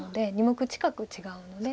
２目近く違うので。